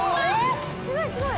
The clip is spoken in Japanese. ・すごいすごい！